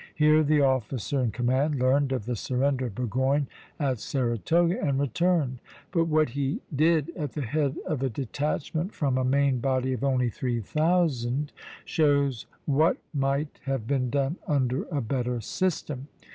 Here the officer in command learned of the surrender of Burgoyne at Saratoga, and returned; but what he did at the head of a detachment from a main body of only three thousand, shows what might have been done under a better system.